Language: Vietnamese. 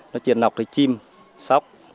nó chuyển nọc thêm chim sóc